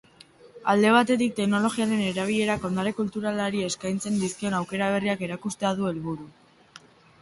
Alde batetik, teknologiaren erabilerak ondare kulturalari eskaintzen dizkion aukera berriak erakustea du helburu.